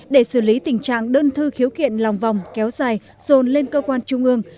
để xử lý tình trạng đơn thư khiếu kiện lòng vòng kéo dài rồn lên cơ quan trung ương